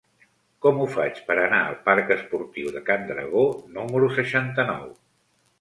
Com ho faig per anar al parc Esportiu de Can Dragó número seixanta-nou?